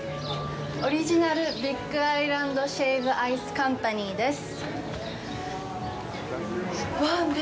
オリジナル・ビッグアイランド・シェイブアイスカンパニーです。